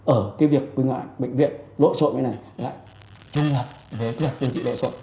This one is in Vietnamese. ở cái việc quyên ngại bệnh viện lỗ sội này chung hợp với quyên trị lỗ sội